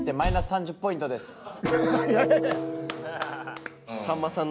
いやいや！